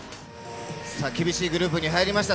厳しいグループに入りました。